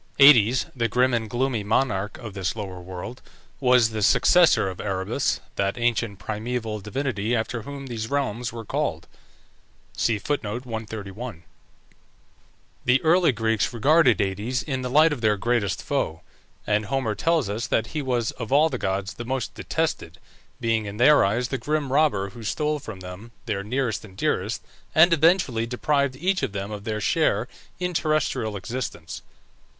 Aïdes, the grim and gloomy monarch of this lower world, was the successor of Erebus, that ancient primeval divinity after whom these realms were called. The early Greeks regarded Aïdes in the light of their greatest foe, and Homer tells us that he was "of all the gods the most detested," being in their eyes the grim robber who stole from them their nearest and dearest, and eventually deprived each of them of their share in terrestrial existence.